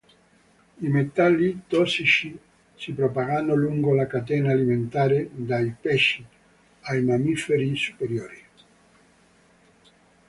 I metalli tossici si propagano lungo la catena alimentare, dai pesci ai mammiferi superiori.